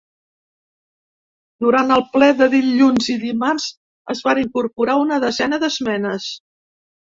Durant el ple de dilluns i dimarts, es van incorporar una desena d’esmenes.